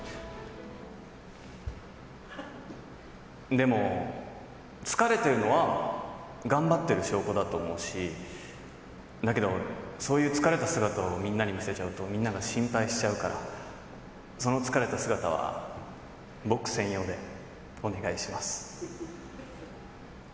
でも、疲れてるのは頑張ってる証拠だと思うしだけど、そういう疲れた姿をみんなに見せちゃうとみんなが心配しちゃうからその疲れた姿は僕専用でお願いします。